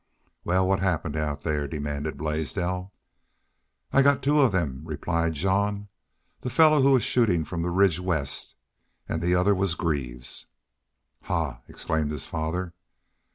"Wal, what happened out there?" demanded Blaisdell. "I got two of them," replied Jean. "That fellow who was shootin' from the ridge west. An' the other was Greaves." "Hah!" exclaimed his father.